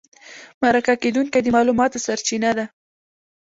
مرکه کېدونکی د معلوماتو سرچینه ده.